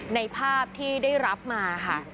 ในภาพที่ได้รับมาค่ะ